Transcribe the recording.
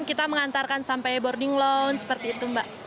kita mengantarkan sampai boarding loan seperti itu mbak